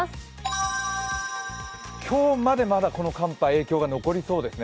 今日までこの寒波、影響が残りそうですね。